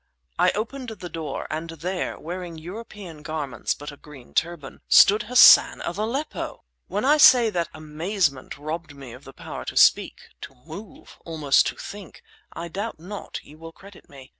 I opened the door; and there, wearing European garments but a green turban ... stood Hassan of Aleppo! When I say that amazement robbed me of the power to speak, to move, almost to think, I doubt not you will credit me.